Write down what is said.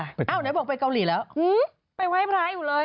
อ้าวเดี๋ยวบอกไปเกาหลีแล้วไปไหว้พระอยู่เลย